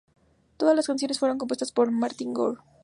Todas las canciones fueron compuestas por Martin Gore.